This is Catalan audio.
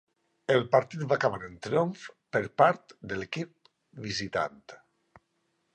El partit va acabar en triomf per part de l'equip visitant.